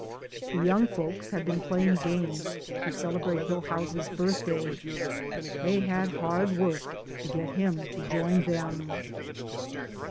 The young folks have been playing games to celebrate Hillhouse's birthday. They had hard work to get him to join them.